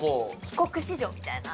帰国子女みたいな。